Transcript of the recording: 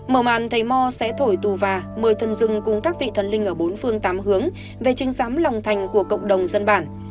mở màn thầy mò sẽ thổi tù và mời thần rừng cùng các vị thần linh ở bốn phương tám hướng về chứng giám lòng thành của cộng đồng dân bản